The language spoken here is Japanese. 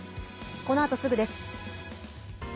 このあとすぐです。